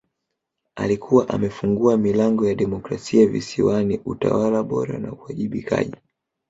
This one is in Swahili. Alikuwa amefungua milango ya demokrasia Visiwani utawala bora na uwajibikaji